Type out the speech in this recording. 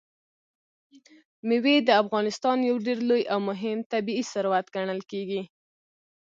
مېوې د افغانستان یو ډېر لوی او مهم طبعي ثروت ګڼل کېږي.